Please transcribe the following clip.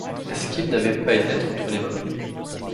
Est-ce qu’il n’avait pas une lettre entre les mains ?